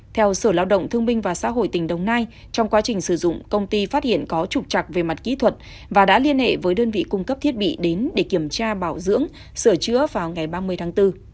theo sở lao động thương minh và xã hội tỉnh đồng nai trong quá trình sử dụng công ty phát hiện có trục chặt về mặt kỹ thuật và đã liên hệ với đơn vị cung cấp thiết bị đến để kiểm tra bảo dưỡng sửa chữa vào ngày ba mươi tháng bốn